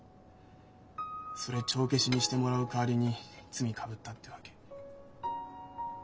それ帳消しにしてもらう代わりに罪かぶったってわけ。